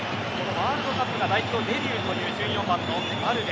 ワールドカップが代表デビューという１４番のバルデ。